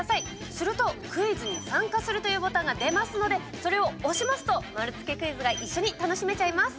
すると「クイズに参加する」というボタンが出ますのでそれを押しますと丸つけクイズが一緒に楽しめちゃいます。